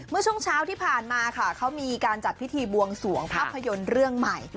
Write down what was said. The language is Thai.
เมื่อช่วงเช้าที่ผ่านมาค่ะเขามีการจัดพิธีบวงสวงภาพยนตร์เรื่องใหม่